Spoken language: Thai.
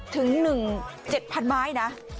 ถึง๑๗๐๐ไม้นะ